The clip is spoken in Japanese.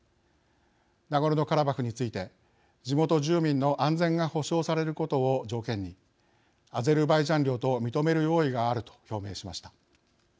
ナゴルノカラバフについて地元住民の安全が保証されることを条件にアゼルバイジャン領と認める用意があると表明しました。